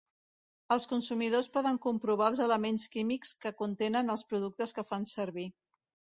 Els consumidors poden comprovar els elements químics que contenen els productes que fan servir.